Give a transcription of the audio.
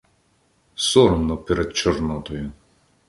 соромно перед Чорнотою.